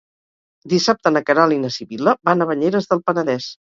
Dissabte na Queralt i na Sibil·la van a Banyeres del Penedès.